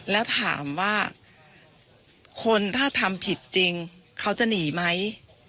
แล้วถามว่าคนถ้าทำผิดจริงเขาจะหนีไหม